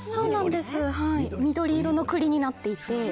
緑色の栗になっていて。